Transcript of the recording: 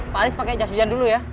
pak aris pake jas hujan dulu ya